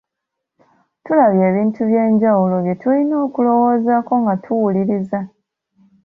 Tulabye ebintu eby’enjawulo bye tulina okulowoozaako nga tuwuliriza.